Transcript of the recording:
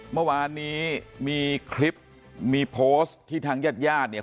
เมื่อวานนี้มีคลิปมีโพสต์ที่ทางญาติญาติเนี่ย